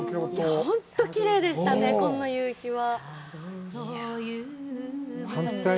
いや、本当きれいでしたね、この夕日は。